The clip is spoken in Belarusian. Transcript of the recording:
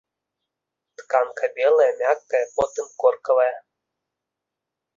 Тканка белая, мяккая, потым коркавая.